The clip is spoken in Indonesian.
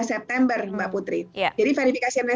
september mbak putri jadi verifikasi oleh